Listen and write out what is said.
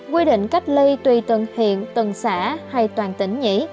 quy định cách ly tùy từng hiện tầng xã hay toàn tỉnh nhỉ